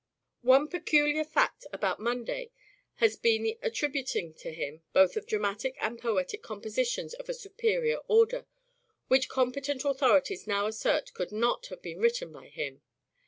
One peculiar fact about Munday has been the attributing to him both of dramatic and poetic compositions of a superior order, which competent authorities now assert could not have been written by him.